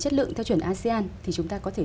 chất lượng theo chuẩn asean thì chúng ta có thể